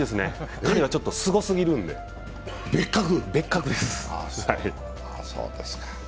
彼はちょっとすごすぎるんで、別格です。